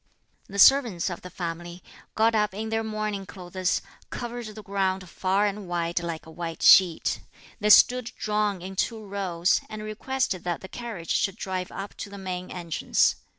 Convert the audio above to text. The servants of the family, got up in their mourning clothes, covered the ground far and wide like a white sheet. They stood drawn in two rows, and requested that the carriage should drive up to the main entrance.